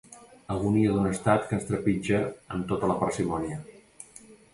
Agonia d’un estat que ens trepitja amb tota la parsimònia.